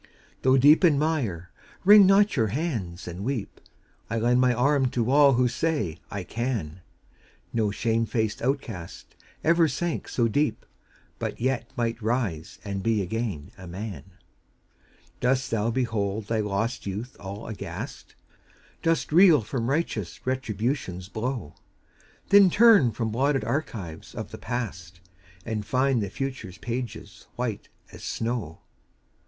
Though deep in mire, wring not your hands and weep; I lend my arm to all who say "I can!" No shame faced outcast ever sank so deep, But yet might rise and be again a man ! Dost thou behold thy lost youth all aghast? Dost reel from righteous Retribution's blow? Then turn from blotted archives of the past, And find the future's pages white as snow.